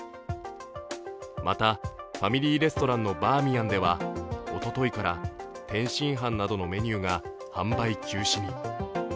また、ファミリーレストランのバーミヤンではおとといから天津飯などのメニューが販売休止に。